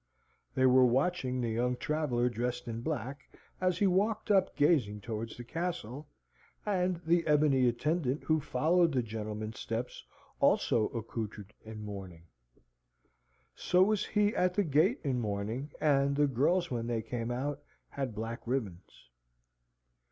They were watching the young traveller dressed in black as he walked up gazing towards the castle, and the ebony attendant who followed the gentleman's steps also accoutred in mourning. So was he at the gate in mourning, and the girls when they came out had black ribbons.